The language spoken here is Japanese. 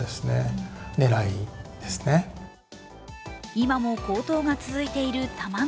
今も高騰が続いている卵。